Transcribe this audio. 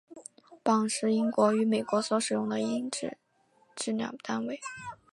磅是英国与美国所使用的英制质量单位。